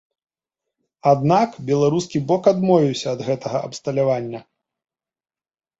Аднак беларускі бок адмовіўся ад гэтага абсталявання.